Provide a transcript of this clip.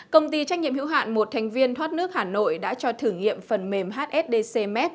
công ty trách nhiệm hữu hạn một thành viên thoát nước hà nội đã cho thử nghiệm phần mềm hsdcms